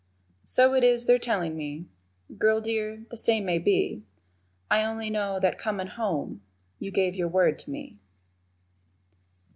So it is they're tellin' me, Girl dear, the same may be, I only know that comin' home You gave your word to me.